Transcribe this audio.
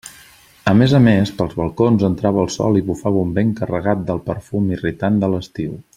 A més a més, pels balcons entrava el sol i bufava un vent carregat del perfum irritant de l'estiu.